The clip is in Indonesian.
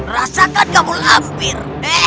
rasakan kamu lampir